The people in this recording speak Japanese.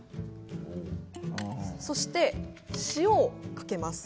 そして塩をかけます。